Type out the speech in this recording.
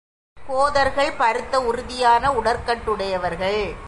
கோதர்கள் பருத்த, உறுதியான உடற்கட்டுடையவர்கள்.